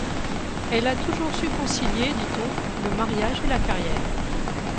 Elle a toujours su concilier, dit-on, le mariage et la carrière.